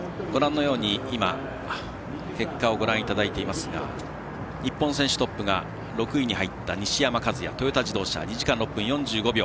結果をご覧いただいていますが日本選手トップが６位に入った西山和弥、トヨタ自動車２時間６分４５秒。